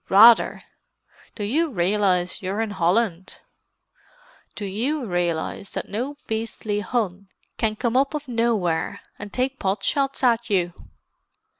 "Rather! Do you realize you're in Holland?" "Do you realize that no beastly Hun can come up out of nowhere and take pot shots at you?"